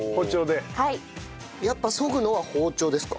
やっぱそぐのは包丁ですか？